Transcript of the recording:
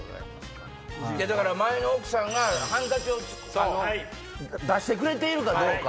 だから前の奥さんがハンカチを出してくれているかどうか。